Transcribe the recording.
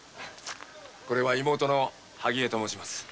これは妹の萩絵と申します。